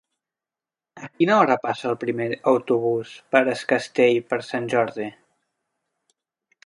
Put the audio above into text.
A quina hora passa el primer autobús per Es Castell per Sant Jordi?